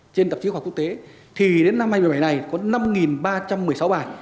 trên tạp chí khoa học quốc tế thì đến năm hai nghìn một mươi bảy này có năm ba trăm một mươi sáu bài